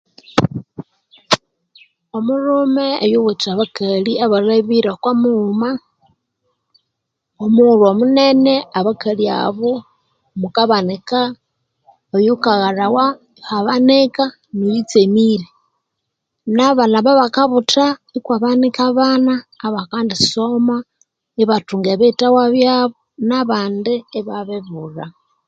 Omulhume oyuwithe abakali abalhabire oko mughuma omughulhu omunene abakali abo mukabanika oyukaghalhawa, ihabanika noyu tsemire, nabana ababakabutha ikwabanika abana abakendi soma ibathunga ebiyithawa byabo nabandi ibabibulha.